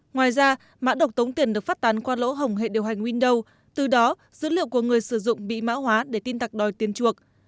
ngoài ra mã độc tống tiền được phát tán qua lỗ hồng hệ điều hành window từ đó dữ liệu của người sử dụng bị mã hóa để tin tặc đòi tiền chuộc